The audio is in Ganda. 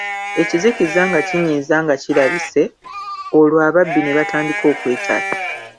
Ekizikiza nga kinyiiza nga kirabise, olwo ababi ne batandika okwetala.